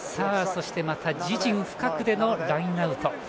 そして自陣深くでのラインアウト。